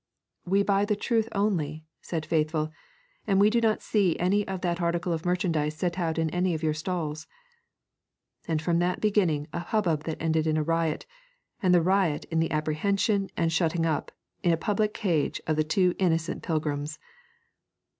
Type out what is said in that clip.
'We buy the truth only,' said Faithful, 'and we do not see any of that article of merchandise set out on any of your stalls.' And from that began a hubbub that ended in a riot, and the riot in the apprehension and shutting up in a public cage of the two innocent pilgrims.